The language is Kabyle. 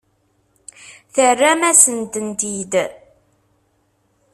Terram-asen-tent-id?